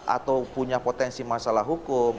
atau punya potensi masalah hukum